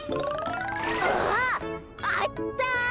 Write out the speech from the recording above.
あっあった。